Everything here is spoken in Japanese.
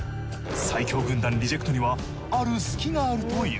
最強軍団ＲＥＪＥＣＴにはある隙があるという。